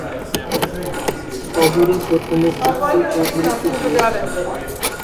কবরী প্রথমে চিত্ত চৌধুরীকে বিয়ে করেন।